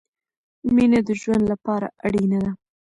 مينه د ژوند له پاره اړينه ده